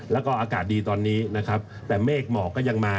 แล้วก็อากาศดีตอนนี้นะครับแต่เมฆหมอกก็ยังมา